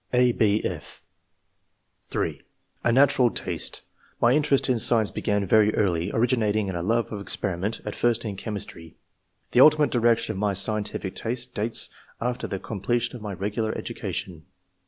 (a, h,f) (3) " A natural taste. My interest in science began very early, originating in a love of experi ment, at first in chemistry The ultimate direction of my scientific tastes dates after the completion of my regular education."